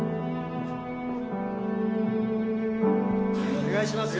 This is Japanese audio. お願いしますよ。